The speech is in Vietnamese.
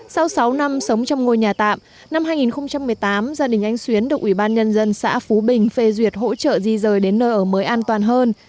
sau sáu năm sống trong ngôi nhà tạm năm hai nghìn một mươi tám gia đình anh xuyến được ủy ban nhân dân xã phú bình phê duyệt hỗ trợ di rời đến nơi ở mới an toàn hơn